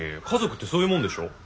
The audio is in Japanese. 家族ってそういうもんでしょ。